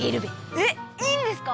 えっいいんですか？